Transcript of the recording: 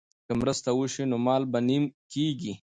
که مرسته وشي نو مال به نیم کیږي.